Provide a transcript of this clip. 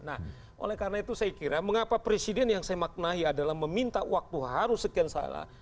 nah oleh karena itu saya kira mengapa presiden yang saya maknai adalah meminta waktu harus sekian salah